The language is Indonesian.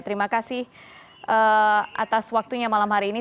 terima kasih atas waktunya malam hari ini